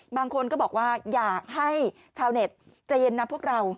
บางคนก็บอกว่าอยากให้ชาวเน็ตใจเย็นนะพวกเรา